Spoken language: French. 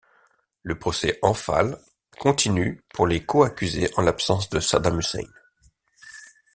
Le procès Anfal continue pour les coaccusés en l'absence de Saddam Hussein.